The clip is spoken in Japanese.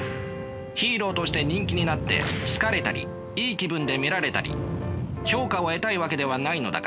ヒーローとして人気になって好かれたりいい気分で見られたり評価を得たいわけではないのだから。